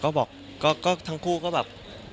ก็บอกก็ทั้งคู่ก็แบบ